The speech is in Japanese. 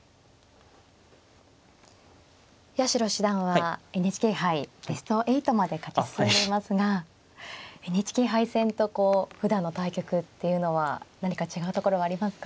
八代七段はＮＨＫ杯ベスト８まで勝ち進んでいますがＮＨＫ杯戦とふだんの対局っていうのは何か違うところはありますか？